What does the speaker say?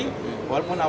dan di kedari